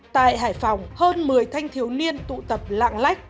tại hải phòng hơn một mươi thanh thiếu niên tụ tập lạng lách